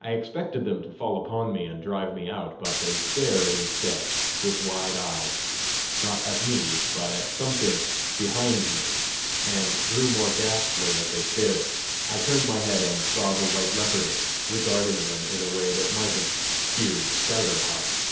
I expected them to fall upon me and drive me out, but they stared instead, with wide eyes not at me, but at something behind me, and grew more ghastly as they stared. I turned my head, and saw the white leopardess, regarding them in a way that might have feared stouter hearts.